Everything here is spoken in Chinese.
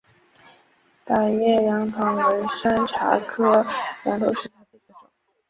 大叶杨桐为山茶科杨桐属下的一个种。